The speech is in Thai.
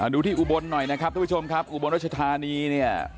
ดูที่อุบลหน่อยนะครับทุกผู้ชมครับอุบลรัชธานีเนี่ย